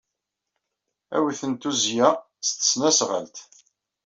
Ad wten tuzzya s tesnasɣalt.